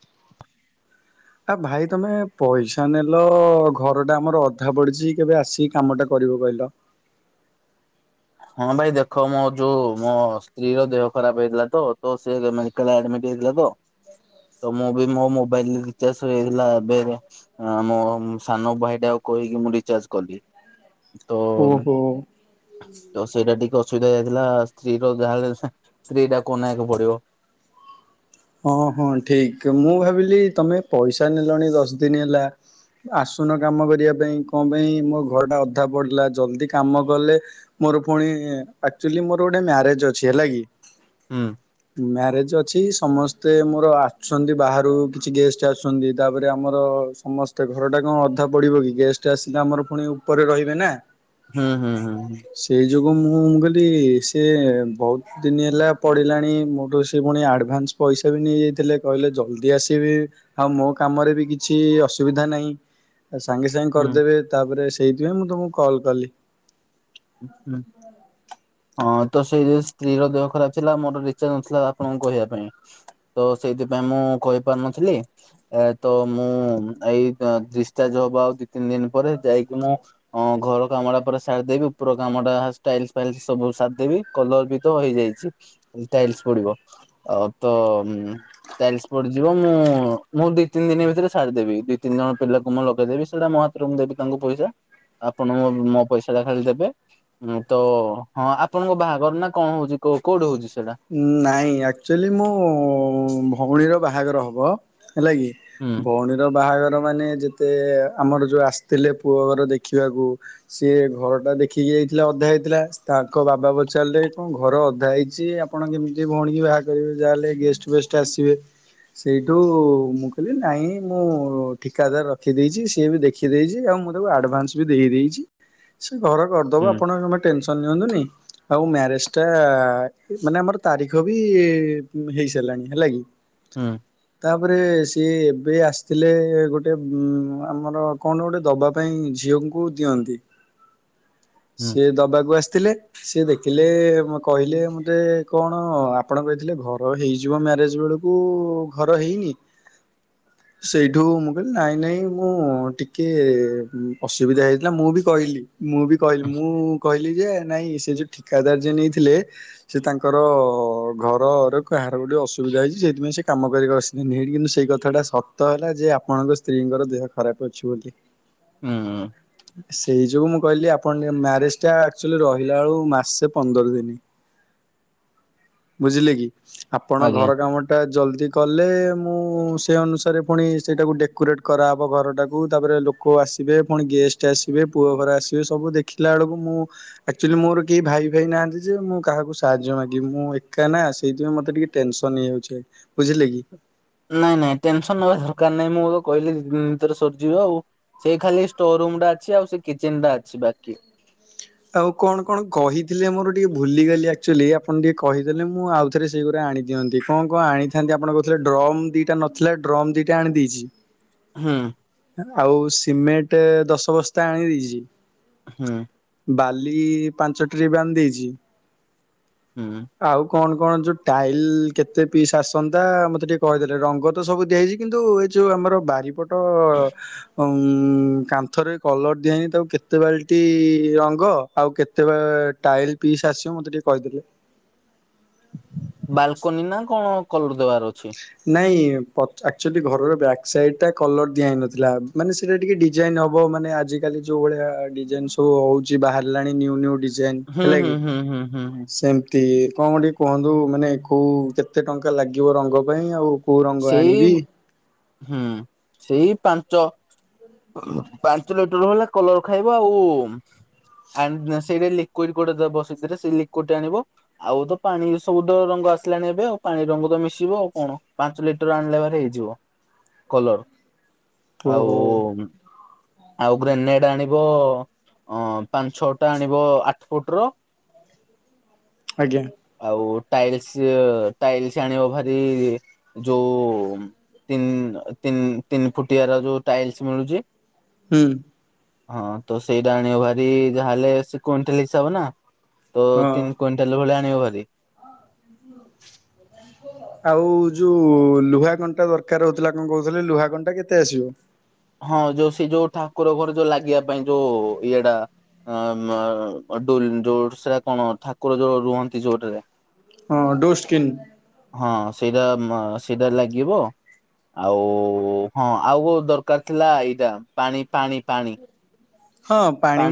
? ଆ ଭାଇ ତମେ ପଇସା ନେଲ ଘରଟା ଆମର ଅଧା ପଡିଛି କେବେ ଆସି କି କାମଟା କରିବ କହିଲ। ହଁ ଭାଇ ଦେଖ ମୋ ଯୋଉ ମୋ ସ୍ତ୍ରୀ ର ଦେହ ଖରାପ ହେଇଥିଲା ତ ତ ସେ ମେ ମେଡ଼ିକାଲ ଆଡମିଟ୍ ହେଇଥିଲା ତ ମୁଁ ବି ମୋ ମୋବାଇଲ ରିଚାର୍ଜ ସରି ଯାଇଥିଲା ହେଇଥିଲା ଏବେ ଏବେ। ଅଁ ମୋ ସାନ ଭାଇଟାକୁ କହିକି ମୁଁ ରିଚାର୍ଜ କଲି। ତ ଓହୋ। ତ ସେଇଟା ଟିକେ ଅସୁବିଧା ହେଇ ଯାଇଥିଲା ସ୍ତ୍ରୀ ର ଯାହା ହେଲେ ହେଁ ସ୍ତ୍ରୀ ଟାକୁ ଅନେଇବାକୁ ପଡିବ। ହଁ ହଁ ଠିକ ମୁଁ ଭାବିଲି ତମେ ପଇସା ନେଲଣି ଦଶ ଦିନି ହେଲା। ଆସୁନ କାମ କରିବା ପାଇଁ କଁ ପାଇଁ ମୋ ଘରଟା ଅଧା ପଡ଼ିଲା ଜଲ୍ଦି କାମ କଲେ। ମୋର ପୁଣି ଆକ୍ଚୁଆଲି ମୋର ଗୋଟେ ମ୍ୟାରେଜ ଅଛି ହେଲା କି। ହୁଁ। ମ୍ୟାରେଜ ଅଛି ସମସ୍ ସମସ୍ତେ ମୋର ଆସୁଛନ୍ତି ବାହାରୁ କିଛି ଗେଷ୍ଟ ଆସୁଛନ୍ତି ତାପରେ ଆମର ସମସ୍ ତ ଘରଟା କଣ ଅଧା ପଡ଼ିବ କି ଗେଷ୍ଟ ଆସିକି ଆମର ପୁଣି ଉପରେ ରହିବେ ନା ହୁଁ ହୁଁ ହୁଁ ହଁ। ସେଇ ଯୋଗୁ ମୁଁ ମୁଁ କହିଲି ସେିଏ ବହୁତ ଦିନ ହେଲା ପଡ଼ିଲାଣି ମୋଠୁ ସେ ପୁଣି ଆଡ଼ଭାନ୍ସ। ପଇସା ବି ନେଇଯାଇଥିଲେ କହିଲେ ଜଲ୍ଦି ଆସିବି। ଆଉ ମୋ କାମରେ ବି କିଛି ଅସୁବିଧା ନାହିଁ। ସାଙ୍ଗେ ସାଙ୍ଗେ ହୁଁ କରିଦେବେ ତାପରେ ସେଇଥିପାଇଁ ମୁଁ ତୁମକୁ କଲ୍ କଲି ହୁଁ ହଁ ତ ସେଇ ସ୍ତ୍ରୀ ର ଦେହ ଖରାପ ଥିଲା ମୋର ରିଚାର୍ଜ ନଥିଲା ଆପଣଙ୍କୁ କହିବା ପାଇଁ। ତ ସେଇଥିପାଇଁ ମୁଁ କହିପାରୁନଥିଲି। ଏ ତ ମୁଁ ଏଇ ଡିସଚାର୍ଜ ହବ ଆଉ ଦି ତିନି ଦିନ ପରେ ଯାଇକି ମୁଁ। ହଁ ଘର କାମୁଡା ପରେ ସାାରଦେବି ର କାମ ଟା ଷ୍ଟାଇଲ ଫାଇଲ ସବୁ ସାଧ ବି କଲର ବିିତ ହେଇଯାଇଛି। ଟାଇଲସ ପଡିବ ଆଉ ତ ପଡିଯିବ ମୁଁ ଦି ତିନି ଦ ଭିତରେଛାଡିଦେବି ଦି ତିନି ଜଣ ପିଲାକୁ ମୁଁ ଲଗେଇେବି ସେଇଟା ମ ଦେବି ତାଙ୍କୁ ପଇସା ଆପଣ ମୋ ପଇସା ଟା ଖାଲି ଦେବେ ଉଁ ତ ହଁ ଆପଣଙ୍କ ବାହାଘର ନା କଣ ହଉଛିଉ କୋଉଠି ହଉଛି ସେଇଟା ନାଇଁ ଆକ୍ଚୁଆଲି ମୁଁ ଭଉଣୀର ବାହାଘର ହବ। ହେଲା କି ହୁଁ ଭଉଣୀର ବାହାଘର ମାନେ ଯେତେ ଆମର ଯୋଉ ଆସିଥିଲେ ପୁଅ ଘର ଦେଖିବାକୁ। ସିଏ ଘର ଟା ଦେଖିକି ଯାଇଥିଲା ଅଧା ହେଇଥିଲା ତାଙ୍କ ବାବା ପଚାରିଲେ କଣ ଘର ଅଧା ହେଇଛି। ଆପଣ କେମିତି ଭଉଣୀ ବାହା କରିବେ ଯାହାହେଲେ ଗେଷ୍ଟ ଫେଷ୍ଟ ଆସିବେ। ସେଇଠୁ ମୁଁ କହିଲି ନାଇଁ ମୁଁ ଠିକାଦାର ରଖିଦେଇଛି ସିଏ ବି ଦେଖ ରଖିଦେଇଛି ଆଉ ମୁଁ ତାକୁ ଆଡ଼ଭାନ୍ସ ବି ଦେଇେଇଛି। ସେ ଘର କରିଦବ ହୁଁ ଆପଣ ଆମେ ଟେନସନ ନିଅନ୍ତୁନି ଆଉ ମ୍ୟାରେଜ ଟା ମାନେ ଆମର ତାରିଖ ବି ହେଇ ସାରିଲାଣି ହେଲା କି ହୁଁ ତାପରେ ସିଏ ଏବେ ଆସିଥିଲେ ଗୋଟେ ଆମର କଣ ଗୋଟେ ଦବା ପାଇଁ ଝିଅଙ୍କୁ ଦିଅନ୍ତି। ହୁଁ। ସିଏ ଦବାକୁ ଆସିଥିଲେ ସିଏ ଦେଖିଲେ କହିଲେ। ରେ କଣ ଆପଣ କହିଥିଲେ ଘର ହେଇଯିବ ମ୍ୟାରେଜ ବେଳକୁ ଘର ହେଇନି। ସେଇଠୁ ମୁଁ କହିଲି ନାଇଁ ନାଇଁ ମୁଁ ଟିକେ ଅସୁବିଧା ହେଇଥିଲା ମୁଁ ବି କହିଲି। ମୁଁ ବି କହିଲି ମୁଁ କହିଲି ଯେ ନାଇଁ ସେ ଯୋଉ ଠିକାଦାର ଯେ ନେଇଥିଲେ। ସେ ତାଙ୍କର ଘରରେ କାହାର ଗୋଟେ ଅସୁବିଧା ହେଇଛି ସେଥିପାଇଁ ସେ କାମ କରିକି ଅ ନଠ କିନ୍ତୁ ସେଇ କଥାଟା ସତ ହେଲା ଯେ ଆପଣଙ୍କ ସ୍ତ୍ରୀଙ୍କର ଦେହ ଖରାପ ଅଛି ବୋଲି ହୁଁ ସେଇ ଯୋଗୁଁ ମୁଁ କହିଲି ଆପଣ ମ୍ୟାରେଜ ଟା ଆକ୍ଚୁଆଲି ରହିଲା ବଳ ମାସେ ପନ୍ଦର ଦିନ। ବୁଝିଲେ କି ଆପଣ ଆଜ୍ଞା ଘର କାମ ଟା ଜଲ୍ଦି କଲେ ମୁଁ ସେ ଅନୁସାରେ ପୁଣି ସେଇଟାକୁ ଡେକୋରେଟ୍ କରାହେବ ଘରଟାକୁ ତାପରେ କେଉ ଆସିବେ ପୁଣି ଗେଷ୍ଟ ଆସିବେ ପୁଅ ଘର ଆସିବେ ସବୁ ଦେଖିଲା ବେଳକୁ ମୁଁ ଆକ୍ଚୁଆଲି ମୋର କେହି ଭାଇ ଭାଇ ନାହାନ୍ତି ଯେ ମୁଁ କାହାକୁ ସାହାଯ୍ୟ ମାଗି ମୁଁ ଏକା ନା ସେଇଥିପାଇଁ ମୋତେ ଟିକିେ ଟେନସନ୍ ହେଇଯାଉଛି ବୁଝିଲେ କି ନାଇଁ ନାଇଁ ଟେନସନ ନବା ଦରକାର ନାଇଁ ମୁଁ କହିଲିିତରେ ସରିଯିବ ଆଉ। ସେଇ ଖାଲି ଷ୍ଟୋର ରୁମ୍ ଟା ଅଛି ଆଉ ସେ କିଚେନ ଟା ଅଛି ବାକି ଆଉ କଣ କଣ କହିଥିଲେ ମୋର ଟିକେ ଭୁଲିଗଲି ଆଚୁଆଲି ଆପଣ ଟିକେ କହିଦେଲେ ମୁଁ ଆଉ ରେ ସେଇଗୁା ଆଣି ଦିଅନ୍ତି କଣ କଣ ଆଣିଥାନ୍ତି ଆପଣ କହୁଥିଲେ ଡ୍ରମ୍ ଦିଟା ନଥିଲା ଡ୍ରମ୍ ଦିଟା ଆଣିଦେଇଛି। ହୁଁ। ଆଉ ସିମେଣ୍ଟ ଦଶ ବସ୍ତା ଆଣି ଦେଇଛି। ହୁଁ। ବାଲି ପାଞ୍ଚ ଟ୍ରିପ ଆଣିଦେଇଛି। ହୁଁ। ଆଉ କ'ଣ କ'ଣ ଯୋଉ ଟାଇଲ କେତେ ପିସ୍ ଆସନ୍ତା ମତେ ଟିକେ କହିଦେଲେ, ରଙ୍ଗ ତ ସବୁ ଦିଆ ହେଇଛି କିନ୍ତୁ ଏ ଯୋଉ ଆମର ବାରିପଟ ଅ ଉଁ କାନ୍ଥରେ କଲର ଦିଆ ହେଇନି ତାକୁ କେତେ ବାଲଟି ଅ ଙ୍ଗ ଆଉ କେତେ ବେ ଟାଇଲ ପିସ୍ ଆସିବ ମୋତେ ଟିକେ କହିଦବୁ। ବାଲକୁନି ନା କ'ଣ କଲର ଦବାର ଅଛି? ନାଇଁ ପଚ ଆକଚୁଲି ଘରର ବ୍ୟାକ ସାଇଡ ଟା କଲର ଦିଆ ହେଇନଥିଲା ମାନେ ସେଟା ଟିକେ ଡିଜାଇନ ହବ ମାନେ ଆଜିକାଲି ଯୋଉ ଭଳିଆ ଡିଜାଇନ ସବୁ ହଉଛି ବାହାରିଲାଣି ନ୍ୟୁୁ ନ୍ୟୁ ଡି ଯାଇନ୍ ହୁଁ ହୁଁ ହେଲାକି ହୁଁ ହୁଁ ହୁଁ ହୁଁ। ସେମ୍ ତି କଣ ଗୋଟେ କୁହନ୍ତୁ ମାନେ କୋଉ କେତେ ଟଙ୍କା ଲାଗିବ ରଙ୍ଗ ପାଇଁ, ଆଉ କୋଉ ରଙ୍ଗ ସେଇ ଆଣିବି ହୁଁ ସେଇ ପାଞ୍ଚ ପାଞ୍ଚ ଲିଟର ବଲେ କଲର ଖାଇବ ଆଉ [inaudible] ସେଇଟା ଲିକୁଇଡ ଗୋଟେ ଦବ ସେଥିରେ ସେଇ ଲିକୁଇଡ ଆଣିବ ଆଉ ତ ପାଣି ସବୁ ତ ରଙ୍ଗ ଆସିଲାଣି ଏବେ ଆଉ ପାଣି ରଙ୍ଗ ତ ମିଶିବ ଆଉ କଣ। ପାଞ୍ଚ ଲିଟର ଆଣିଲେ ହାରି ହେଇଯିବ କଲର। ଓହୋ ଆଉ ଆଉ ଗ୍ରେନେଡ ଆଣିବ ଅ ପାଞ୍ଚ, ଛଅଟା ଆଣିବ ଆଠ ଫୁଟର ଆଉ ଆଜ୍ଞା। ଆଉ ଟାଇଲସ ଟାଇଲସ ଆଣିବ ଭାରି ଯୋଉ ତିନ ତିନି ତିନି ଫୁଟିଆର ଯୋଉ ଟାଇଲସ ମିଳୁଛି। ହୁଁ। ହଁ ତ ସେଇଟା ଆଣିବ ଭାରି ଯାହା ହେଲେ ସେ କୁଣ୍ଟାଲ ହିସାବ ନା। ତ ହଁ ତିନି କୁଇଣ୍ଟାଲ ଭଳି ଆଣିବ ହାରି। ଆଉ ଯୋଉ ଲୁହା କଣ୍ଟା ଦରକାର ହଉଥିଲା କଣ କହୁଥିଲେ, ଲୁହା କଣ୍ଟା କେତେ ଆସିବ? ହଁ ଯୋଉ ସେ ଯୋଉ ଠାକୁର ଘର ଯୋଉ ଲାଗିବା ପାଇଁ ଯୋଉ ଇଏଟା [inaudible] ଡୋର୍ସ ନା କଣ ଠାକୁର ଯୋଉ ରୁହନ୍ତି ଯୋଉଥିରେ। ହଁ ଡୋର୍ଷକ୍ରିନ। ହଁ ସେଇଟା ସେଇଟା ଲାଗିବ। ଆଉ ହଁ ଆଉ କୋଉ ଦରକାର ଥିଲା ଏଇଟା ପାଣି ପାଣି ପାଣି। ହଁ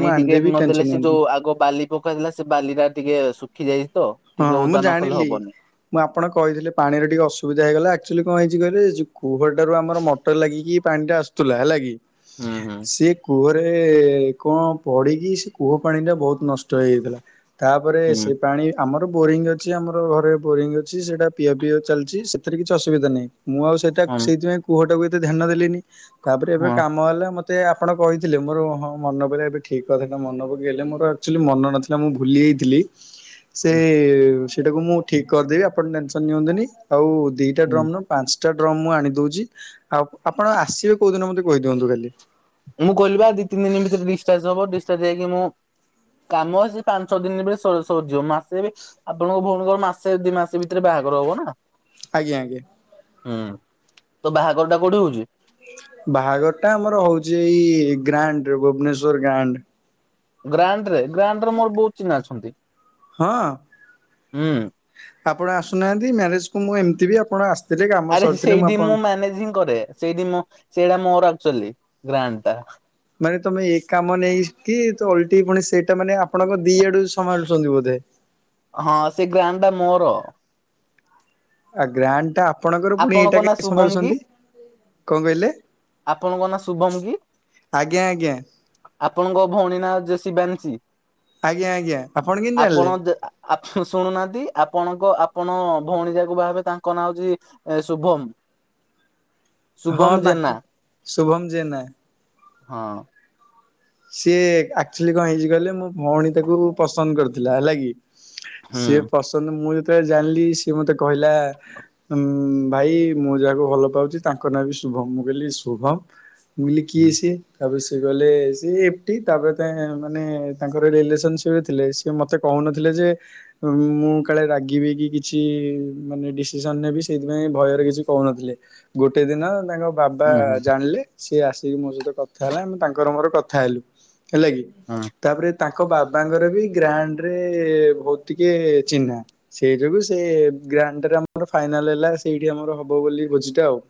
ମୁଁ ଟିକେ ଆଣିଦେବି ନଦେଲେ ଟେନସନ ସେ ଯୋଉ ନିଅନ୍ତୁନି ଆଗ ବାଲି ପକାହେଇଥିଲା ସେ ବାଲି ଟା ଟିକେ ଶୁଖି ଯାଇଛି ତ। ଟିକେ ହଁ, ମୁଁ ଓଦା ନ କଲେ ଜାଣିଲି। ହବନି ମୁଁ ଆପଣ କହିଥିଲେ ପାଣିରେ ଟିକେ ଅସୁବିଧା ହେଇଗଲା। ଆକଚୁଆଲି କଣ ହେଇଛି କହିବି କୁହଲ ଟାରୁ ଆମର ମଟର ଲାଗିକି ପାଣିଟା ଆସୁ ଥିଲା ହେଲାକି ହୁଁ ହୁଁ ସିଏ କୂଅରେ କ'ଣ ପଡିକି ସେ କୂଅ ପାଣିଟା ବହୁତ ନଷ୍ଟ ହେଇଯାଇଥିଲା। ତାପରେ, ହୁଁ ସେ ପାଣି ଆମର ବୋରିଙ୍ଗ ଅଛି ଆମର ଘରେ ବୋରିଙ୍ଗ ଅଛି ସେଟା ପିଆ ପିଆ ଚାଲିଛି, ସେଥିରେ କିଛି ଅସୁବିଧା ନାହିଁ। ମୁଁ ଆଉ ସେ ହଁ ସେଇଥିପାଇଁ କୁଅଟା କୁ ଏତେ ଧ୍ୟାନ ଦେଲିନି ତାପରେ, ଏବେ ହଁ କାମ ହେଲା ମ ମତେ ଆପଣ କହିଥିଲେ ମୋର ହଁ ମନ ପଇଲା, ଏବେ ଠିକ କଥାଟା ମନେ ପକେଇଲେ ମୋର ଆକ୍ଚୁଲି ମନେ ନଥିଲା। ମୁଁ ଭୁଲିଯାଇଥିଲି। ସେ ସେଟାକୁ ମୁଁ ଠିକ କରିଦେବି ଆପଣ ଟେନସନ ନିଅନ୍ତୁନି ଆଉ ଦିଟା ହୁଁ ଡ୍ରମ ନ ପାଞ୍ଚଟା ଡ୍ରମ ମୁଁ ଆଣିଦଉଛି, ଆଉ ଆପଣ ଆସିବେ କେଉଁଦିନ ମୋତେ କହିଦିଅନ୍ତୁ ଖାଲି? ମୁଁ କହିଲିବା ଦି ତିିନି ଦିନ ଭିତରେ ଡିସଚାର୍ଜ ହବ ଡିସଚାର୍ଜ ହେଇିକି ମୁଁ କାମ ଅଛି ପାଞ୍ଚ ଛଅ ଦିନ ଭିତରେ ସର୍ ସରିଯିବ ମାସେବି ଆପଣଙ୍କ ଭଉଣୀଙ୍କର ମାସେ ଦି ମାସ ଭିତରେ ବାହାଘର ହବ ନା। ଆଜ୍ଞା ଆଜ୍ଞା। ହୁଁ ତୋ ବାହାଘର ଟା କୋଉଠି ହଉଛି? ବାହାଘର ଟା ଆମର ହଉଛି ଏଇ ଗ୍ରାଣ୍ଡରେ ଭୁବନେଶ୍ଵର ଗ୍ରାଣ୍ଡ। ଗ୍ରାଣ୍ଡରେ ଗ୍ରାଣ୍ଡରେ ମୋର ବହୁତ ଚିହ୍ନା ଅଛନ୍ତି। ହଁ ହୁଁ ଆପଣ ଆସୁନାହାନ୍ତି ମ୍ୟାରେଜକୁ ମୁଁ ଏମିତି ବି ଆପଣ ଆସି ଆରେ ସେଇଠି ମୁଁ ମ୍ୟାନେଜିଙ୍ଗ କରେ ସେଇଠି ମୁ ସେଇଟା ମୋର ଆକଚୁଆଲି ଗ୍ରାଣ୍ଡ ଟା। ମାନେ ତମେ ଏ କାମ ନେଇକି ତ ଅଲଟି ପୁଣି ସେଇଟା ମାନେ ଆପଣଙ୍କ ଦି ଆଡୁ ସମାଳୁଛନ୍ତି ବୋଧେ। ହଁ ସେ ଗ୍ରାଣ୍ଡ ଟା ମୋର। ଆଉ ଗ୍ରାଣ୍ଡ ଟା ଆପଣଙ୍କର ପୁଣି ଏଇଟା ଆପଣଙ୍କ ନାଁ କେମିତି ଶୁଭମ କି? ସମ୍ଭାଳୁଛନ୍ତି। କଣ କହିଲେ ଆପଣଙ୍କ ନାଁ ଶୁଭମ କି ଆଜ୍ଞା ଆଜ୍ଞା। ଆପଣଙ୍କ ଭଉଣୀ ନାଁ ଯେ ଶିବାଂଶୀ ଆଜ୍ଞା ଆଜ୍ଞା ଆପଣ କେମିତି ଜାଣିଲେ ଆପଣ ଆପଣ ଶୁଣୁନାହାନ୍ତି ଆପଣଙ୍କ ଆପଣ ଭଉଣୀ ଯାକୁ ବାହାହେବେ ତାଙ୍କ ନାଁ ହଉଛି ଏ ଶୁଭମ ହଁ ଶୁଭମ ତାଙ୍କୁ ଜେନା। ଶୁଭମ ଜେନା ହଁ। ସିଏ ଆକ୍ଚୁଆଲି କଣ ହେଇଛି କହିଲେ ମୋ ଭଉଣୀ ତାକୁ ପସନ୍ଦ କରିଥିଲା ହେଲା କି। ହୁଁ। ସିଏ ପସନ୍ଦ ମୁଁ ଯେତେବେଳେ ଜାଣିଲି ସିଏ ମତେ କହିଲା। ଭାଇ ମୁଁ ଯାହାକୁ ଭଲ ପାଉଛି ତାଙ୍କ ନାଁ ବି ଶୁଭମ ମୁଁ କହିଲି ଶୁଭମ। ମୁ କହିଲି ହୁଁ କିଏ ସିଏ ତାପରେ ସିଏ କହିଲେ ସିଏ ଏଫଟି ତାପରେ ମାନେ ତାଙ୍କର ରିଲେସନ୍ସିପ୍ ଥିଲେ ସିଏ ମୋତେ କହୁନଥିଲେ ଯେ ମୁଁ କାଳେ ରାଗିବି କି କିଛି ମାନେ ଡିସିସନ ନେବି ସେଇଥିପାଇଁ ଭୟରେ କିଛି କହୁନଥିଲେ। ଗୋଟେ ଦିନ ତାଙ୍କ ବାବା ହୁଁ ହୁଁ ଜାଣିଲେ ସିଏ ଆସିକି ମୋ ସହିତ କଥା ହେଲା ଆମ ତାଙ୍କର ମୋର କଥା ହେଲୁ ହେଲା କି। ହୁଁ। ତାପରେ ତାଙ୍କ ବାବାଙ୍କର ବି ଗ୍ରାଣ୍ଡରେ ବହୁତ ଟିକେ ଚିହ୍ନା। ସେଇ ଯୋଗୁ ସେ ଗ୍ରାଣ୍ଡଟାରେ ଆମର ଫାଇନାଲ ହେଲା ସେଇଠି ଆମର ହବ ବୋଲି ଖୋଜିଟା ଆଉ। [inaudible]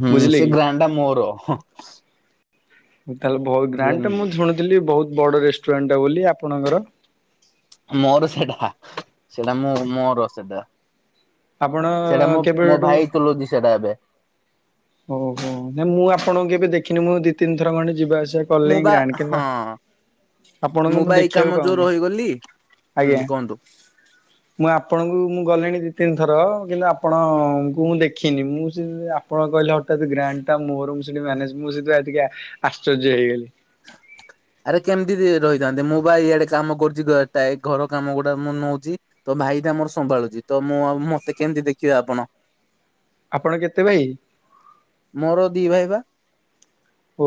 ହୁଁ ବୁଝିଲେ ସେ କି? ଗ୍ରାଣ୍ଡ ଟା ମୋର। ମୁଁ ତାହେଲେ ବହୁତ ବୁଝିଲେ କି ଗ୍ରାଣ୍ଡଟା ମୁଁ ଶୁଣିଥିଲି ବହୁତ ବଡ଼ ରେଷ୍ଟୁରାଣ୍ଟା ବୋଲି ଆପଣଙ୍କର। ମୋର ସେଟା ସେଟା ମୁଁ ମୋର ସେଟା। ଆପଣ ସେଟା ମୋ ମୋ କେବେଠୁ ଭାଇ ଚଲଉଛି ସେଟା ଏବେ। ଓହୋ ନାଇ ମୁଁ ଆପଣଙ୍କୁ କେବେ ଦେଖିନି ମୁଁ ଦି ତିନିଥର ଖଣ୍ଡେ ଯିବା ଆସିବା ମୁଁ କଲିଙ୍ଗ ବା ଗ୍ରାଣ୍ଡ କି ନା। ହଁ ଆପଣଙ୍କୁ ମୁଁ ବା ଏଇ ଦେଖିବାକୁ କାମ ଯୋଉ ପାଉନି ରହିଗଲି ହୁଁ ଆଜ୍ଞା। କୁହନ୍ତୁ। ମୁଁ ଆପଣଙ୍କୁ ମୁଁ ଗଲିଣି ଦି ତିନି ଥର କିନ୍ତୁ ଆପଣଙ୍କୁ ମୁଁ ଦେଖିନି ମୁଁ ସେ ଆପଣ କହିଲେ ହଠତ୍ ଗ୍ରାଣ୍ଡ ଟା ମୋର ସେଠି ମାନେ ମୁଁ ସେଥିପାଇ ଟିକେ ଆଶ୍ଚର୍ଯ୍ୟ ହେଇଗଲି। ଆରେ କେମିତି ରହିଥାନ୍ତୀ ମୁଁ ବା ଇଆଡେ କାମ କରୁଛି ଟ ଘର କାମ ଗୁଡା ମୁଁ ନଉଛି। ତ ଭାଇଟା ମୋର ସମ୍ଭାଳୁଛି ତ ମୁଁ ଆଉ ମତେ କେମିତି ଦେଖିବେ ଆପଣ। ଆପଣ କେତେ ଭାଇ? ମୋର ଦି ଭାଇ ବା।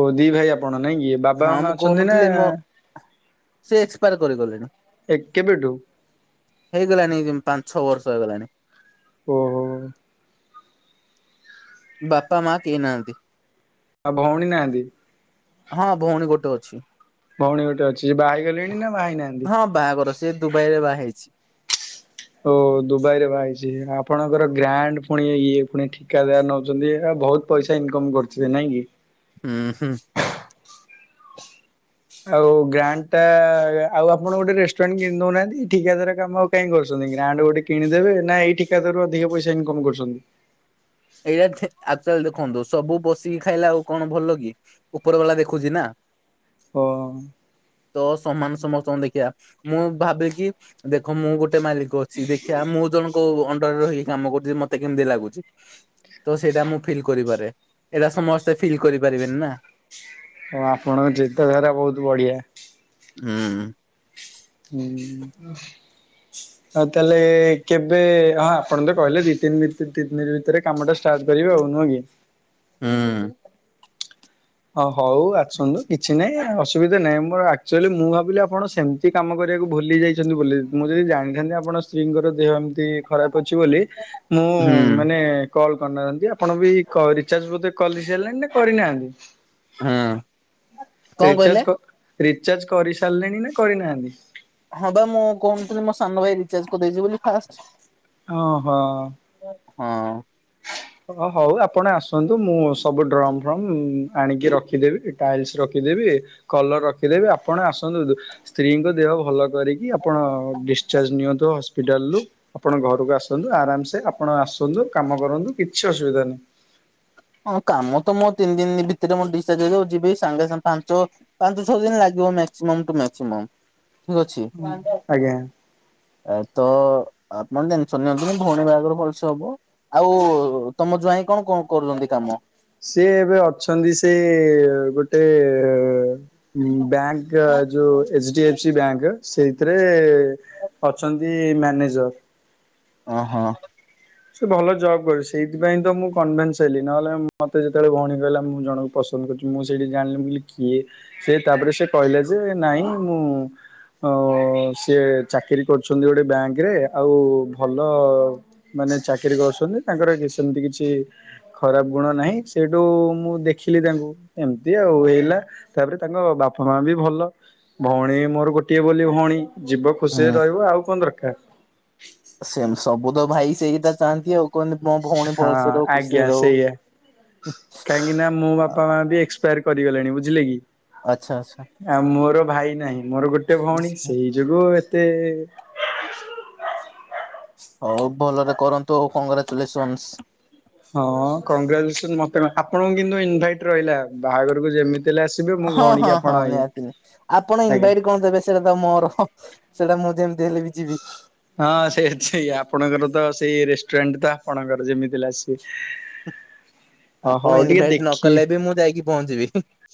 ଓ ଦି ଭାଇ ଆପଣ ନାଇ କି? ବାବା ହଁ ମାମା ମୁଁ ଅଛନ୍ତି ନା କହୁନଥିଲି ମୋ ସେ ଏକ୍ସପାୟାର କରିଗଲେଣି ଏ କେବେଠୁ? ହେଇଗଲାଣି ପାଞ୍ଚ ଛଅ ବର୍ଷ ହେଇଗଲାଣି। ଓହୋ। ବାପା ମାଁ କିଏ ନାହାନ୍ତି। ଆଉ ଭଉଣୀ ନାହାନ୍ତି। ହଁ ଭଉଣୀ ଗୋଟେ ଅଛି। ଭଉଣୀ ଗୋଟେ ଅଛି ଯେ ବାହା ହୋଇ ଗଲେଣି ନା ବାହା ହେଇ ନାହାନ୍ତି? ହଁ ବାହାଘର ସେ ଦୁବାଇ ରେ ବାହା ହେଇଛି। ଓ ଦୁବାଇରେ ବାହା ହେଇଛି ଆପଣଙ୍କର ଗ୍ରାଣ୍ଡ ପୁଣି ଇଏ ପୁଣି ଠିକାଦାର ନେଉଛନ୍ତି ଆ ବହୁତ ପଇସା ଇନକମ କରୁିଥିବେ ନାଇଁ କି? ହୁଁ-ହୁଁ। ଆଉ ଗ୍ରାଣ୍ଡ ଟା ଆଉ ଆପଣ ଗୋଟେ ରେଷ୍ଟୁରାଣ୍ଟ କିଣି ଦଉନାହାନ୍ତି ଠିକାଦାର କାମ କାଇଁ କରୁଛନ୍ତି ଗ୍ରାଣ୍ଡେ ଗୋଟେ କିଣିଦେବେ ନା ଏଇଠିକାଦାରୁ ଅଧିକ ପଇସା ଇନ୍କମ କରୁଛନ୍ତି? ଏଇୟା ଅକ୍ଚୁଆଲି ଦେଖନ୍ତୁ ସବୁ ବସିକି ଖାଇଲା ଆଉ କଣ ଭଲ କି? ଉପର ବାଲା ଦେଖୁଛି ନା। ହଁ। ତ ସମାନ ସମସ୍ତଙ୍କଙ୍କୁ ଦେଖିବା ମୁଁ ଭାବେ କି ଦେଖ ମୁଁ ଗୋଟେ ମାଲିକ ଅଛି ଦେଖିବା ମୁଁ ଜଣଙ୍କ ଅଣ୍ଡରରେ ରହିକି କାମ କରୁଛି ମତେ କେମିତି ଲାଗୁଛି। ତ ସେଇଟା ମୁଁ ଫିଲ୍ କରିପାରେ ଏଇଟା ସମସ୍ତେ ଫିଲ୍ କରିପାରିବେନି ନା ହଁ ଆପଣଙ୍କ ଚିନ୍ତା ଧାରା ବହୁତ ବଢିଆ। ହୁଁ। ହୁଁ। ହ ତାହେଲେ କେବେ ହଁ ଆପଣ ତ କହିଲେ ଦି ତିନି ଭିତରେ ଦି ଦ ଭିତରେ କାମଟା ଷ୍ଟାର୍ଟ କରିବା ଆଉ ନୁହଁ କି? ହୁଁ। ହଁ ହଉ ଆସନ୍ତୁ କିଛି ନାହିଁ ଅସୁବିଧା ନାହିଁ ମୋର ଆଚୁଆଲି ମୁଁ ଭାବିଲି ଆପଣ ସେମି ତି କାମ କରିବାକୁ ଭୁଲି ଯାଇଛନ୍ତି ବୋଲି ମୁଁ ଯଦି ଜାଣିଥାନ୍ତି ଆପଣ ସ୍ତ୍ରୀଙ୍କର ଦେହ ଏମିତି ଖରାପ ଅଛି ବୋଲି ମୁଁ ହୁଁ ମାନେ କଲ୍ କରିନଥାନ୍ତି ଆପଣ ବି ରିଚାର୍ଜ ବୋଧେ କଲ ସାରିଲେନି ନା କରିନାହାନ୍ତି? ହୁଁ। କଣ କହିଲେ ରିଚାର୍ଜ ରିଚାର୍ଜ କରି ସାରିଲେଣି ନା କରିନାହାନ୍ତି? ହଁ ବା ମୁଁ କହୁନଥିଲି ମୋ ସାନ ଭାଇ ରିଚାର୍ଜ କରିଦେଇଛି ବୋଲି ଫାଷ୍ଟ। ଓହୋ। ହଁ। ହ ହଉ ଆପଣ ଆସନ୍ତୁ ମୁଁ ସବୁ ଡ୍ରମ୍ ଫ୍ରମ ଆଣିକି ରଖିଦେବି ଟାଇଲ୍ସ ରଖିଦେବି କଲର ରଖିଦେବି ଆପଣ ଆସନ୍ତୁ ସ୍ତ୍ରୀଙ୍କ ଦେହ ଭଲ କରିକି ଆପଣ ଡି ଚାର୍ଜ ନିଅନ୍ତୁ ହସ୍ପିଟାଲରୁ ଆପଣ ଘରକୁ ଆସନ୍ତୁ ଆରାମସେ ଆପଣ ଆସନ୍ତୁ କାମ କରନ୍ତୁ। କିଛି ଅସୁବିଧା ନାହିଁ। ହଁ କାମ ତ ମୁଁ ତିନି ଦିନ ଭିତରେ ମୁଁ ଦିସଚାର୍ଜ ଯିବି ସାଙ୍ଗେ ସାଙ୍ଗେ ପାଞ୍ଚ ପାଞ୍ଚ ଛଅ ଦିନ ଲାଗିବ ମ୍ୟାକ୍ସିମମ୍ ଟୁ ମ୍ୟାକ୍ସିମମ୍ ଠିକ୍ ଅଛି। ଆଜ୍ଞା ଆଉ ତ ଆପଣ ଟେନସନ ନିଅନ୍ତୁନି ଭଉଣୀ ବାହାଘର ଭଲସେ ହବ। ଆଉ ତମ ଜୁଆଇଁ କଣ କଣ କରୁଛନ୍ତି କାମ? ସିଏ ଏବେ ଅଛନ୍ତି ସେ ଗୋଟେ ବ୍ୟାଙ୍କ ଯୋଉ H D F C bank ସେଇଥିରେ ଅଛନ୍ତି ମ୍ୟାନେଜର୍। ହଁ-ହଁ। ସେ ଭଲ ଜବ୍ କରିବେ ସେଇଥିପାଇଁ ତ ମୁଁ କନଭେନ୍ସ ହେଲି ନହେଲେ ମତେ ଯେତେବେଳେ ଭଉଣୀ କହିଲା ମୁଁ ଜଣକୁ ପସନ୍ଦ କରୁଛି ମୁଁ ସେଇଠି ଜାଣିଲି ମୁ କହିଲି କିଏ ସେ ତାପରେ ସେ କହିଲା ଯେ ନାଇଁ ମୁଁ ଅଁ ସିଏ ଚାକିରି କରୁଚନ୍ତି ଗୋଟେ ବ୍ୟାଙ୍କରେ ଆଉ ଭଲ ମାନେ ଚାକିରି କରୁଚନ୍ତି ତାଙ୍କର ଗି ସେମିତି କିଛି ଖରାପ ଗୁଣ ନାହିଁ। ସେଇଠୁ ମୁଁ ଦେଖିଲି ତାଙ୍କୁ ଏମିତି ଆଉ ହେଲା। ତାପରେ ତାଙ୍କ ବାପା ମା ବି ଭଲ। ଭଉଣୀ ମୋର ଗୋଟିଏ ବୋଲି ଭଉଣୀ ଯିବ ଖୁସିରେ ହୁଁ। ରହିବ ଆଉ କଣ ଦରକାର। ସେମ୍ ସବୁ ତ ଭାଇ ସେଇଟା ଚାହାନ୍ତି ଆଉ। କୁହନ୍ତି ମୋ ଭଉଣୀ ହଁ ଭଲସେ ରହୁ ଖୁସିରେ ଆଜ୍ଞା ରହୁ। ସେଇଆ କାହିଁକି ନା ମୋ ବାପା ମା ବି ଏ ଏକ୍ସପାୟାରି କରିଗଲେଣି ବୁଝିଲେ କି। ଆଚ୍ଛା ଆଚ୍ଛା। ଆ ମୋର ଭାଇ ନାହିଁ ମୋର ଗୋଟେ ଭଉଣୀ ସେଇ ଯୋଗୁ ଏତେ ହୋଉ ଭଲରେ କରନ୍ତୁ ଆଉ କଂଗ୍ରାଚୁଲେସନସ୍। ହଁ କଂଗ୍ରାଚୁଲେସନ ମତେ କଣ ଆପଣଙ୍କୁ କିନ୍ତୁ ଇନଭାଇଟି ରହିଲା ବାହାଘରକୁ ଯେମିତି ହେଲେ ଆସିବେ ମୁଁ ହଁ ଭଉଣୀକି ହଁ ଆପଣ ହଁ ଇଏ ନିହାତି ନିହାତି ଆପଣ ଆଜ୍ଞା ଇନଭାଇଟି କଣ ଦେବେ ସେଟା ତ ମୋର ସେଟା ମୁଁ ଯେମିତି ହେଲି ବି ଯିବି। ହଁ ସେ ସେଇଆ ଆପଣଙ୍କର ତ ସେଇ ରେଷ୍ଟୁରାଣ୍ଟ ତ ଆପଣଙ୍କର ଯେମିତି ହେଲେ ଆସି ଆପଣ ଇନଭାଇଟି ନ କଲେ ବି ମୁଁ ଯାଇକି ପହଞ୍ଚିବି ହିଁ।